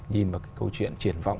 nhìn vào cái câu chuyện triển vọng